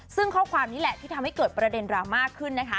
ซึ่งข้อความนี้แหละที่ทำให้เกิดประเด็นดราม่าขึ้นนะคะ